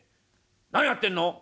何やってんの？」。